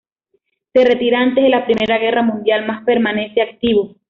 Se retira antes de la primera guerra mundial, mas permanece activo.